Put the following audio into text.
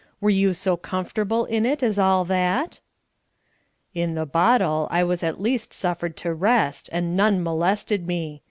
Were you so comfortable in it as all that?" "In the bottle I was at least suffered to rest, and none molested me.